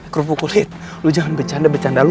krupu kulit lu jangan bercanda bercanda lu